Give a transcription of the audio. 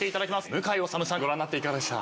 向井理さんご覧になっていかがでした？